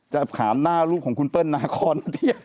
จะหาหน้ารูปของคุณเป้ิ้ลนาคอน